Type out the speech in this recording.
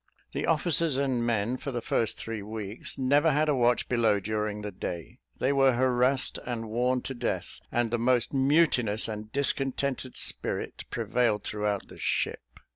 The officers and men, for the first three weeks, never had a watch below during the day. They were harassed and worn to death, and the most mutinous and discontented spirit prevailed throughout the ship.